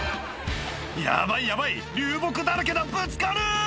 「ヤバいヤバい流木だらけだぶつかる！」